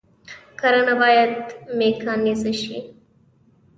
کرنه باید میکانیزه شي